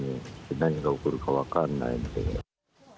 何が起こるか分かんないので。